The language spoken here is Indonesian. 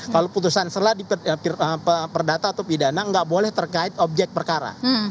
kalau putusan selah perdata atau pidana nggak boleh terkait objek perkara